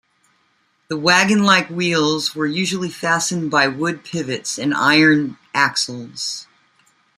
The wagon-like wheels were usually fastened by wood pivots and iron axles.